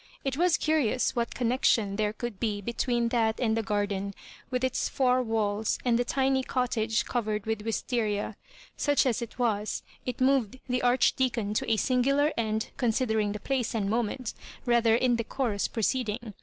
It was curious what connection there could be between that and the garden, with its four wallS) and the tiny cottage covered with Digitized by VjOOQIC MISS UABJOmBAJSKS. lit Wisteria. Such as it was, it moved the Arch deacon to a singular, and, considering the place and moment, rather indecorous proceeding.